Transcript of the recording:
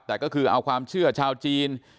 แต่ก็คือเอาความเชื่อชาวจีน